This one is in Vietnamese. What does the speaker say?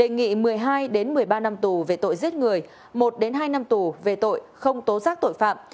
đề nghị một mươi hai một mươi ba năm tù về tội giết người một hai năm tù về tội không tố giác tội phạm